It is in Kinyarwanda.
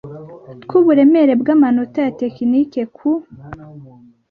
tw uburemere bw amanota ya tekiniki ku